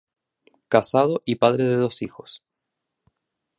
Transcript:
Casado y padre de dos hijos.